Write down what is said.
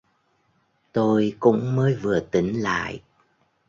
Tôi cũng mới vừa tỉnh lại